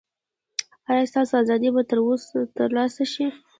ایا ستاسو ازادي به ترلاسه شي؟